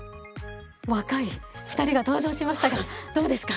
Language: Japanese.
若い２人が登場しましたがどうですか。